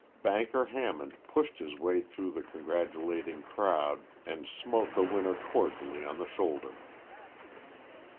Banker Hammond pushed his way through the congratulating crowd and smote the winner cordially on the shoulder.